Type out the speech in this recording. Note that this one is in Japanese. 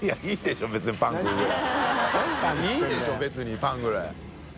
いいでしょ別にパンぐらい。